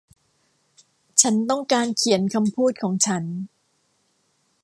ฉันต้องการเขียนคำพูดของฉัน